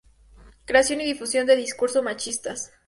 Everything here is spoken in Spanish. creación y difusión de discurso machistas